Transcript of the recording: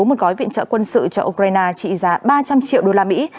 một gói viện trợ quân sự cho ukraine trị giá ba trăm linh triệu đô la mỹ